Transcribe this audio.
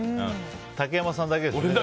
竹山さんだけですね。